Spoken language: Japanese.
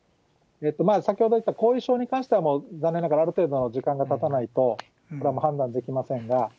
先ほど言った後遺症に関しては、もう残念ながらある程度の時間がたたないと、これは判断できませんが。